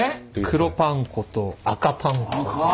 黒パン粉と赤パン粉です。